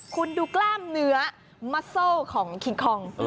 คุณดูกล้ามเนื้อมัสโซของคิงคอง